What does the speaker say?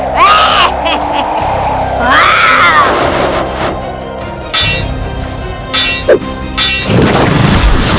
sehingga men wohnung